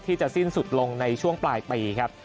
ที่จะสิ้นสุดลงในช่วงปลายปีครับ